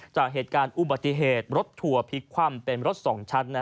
จากเหตุการณ์อุบัติเหตุรถทัวร์พลิกคว่ำเป็นรถ๒ชั้น